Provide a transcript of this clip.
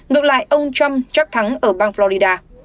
ngược lại ông trump chắc thắng ở bang florida